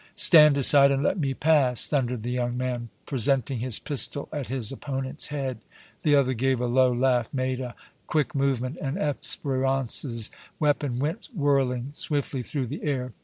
"Stand aside and let me pass!" thundered the young man, presenting his pistol at his opponent's head. The other gave a low laugh, made a quick movement and Espérance's weapon went whirling swiftly through the air.